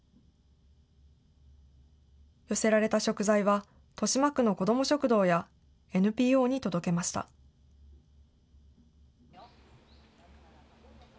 寄せられた食材は、豊島区の子ども食堂やＮＰＯに届けました。